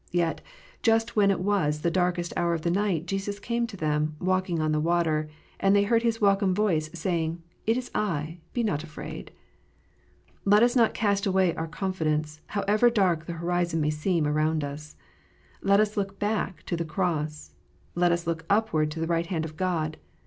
Yet, just when it was the darkest hour of the night, Jesus came to them " walking on the water," and they heard His welcome voice, saying, "It is I : be not afraid." Let us not cast away our confidence, however dark the horizon may seem around us. Let us look bade to the cross. Let us look upward to the right hand of God.